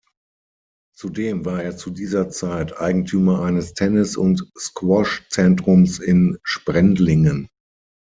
Zudem war er zu dieser Zeit Eigentümer eines Tennis- und Squash-Zentrums in Sprendlingen.